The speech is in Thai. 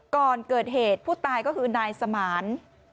ก่อนเกิดเหตุผู้ตายก็คือนายสมาน